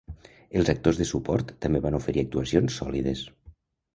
Els actors de suport també van oferir actuacions "sòlides".